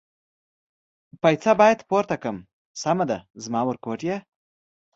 پایڅه باید پورته کړم، سمه ده زما ورکوټیه.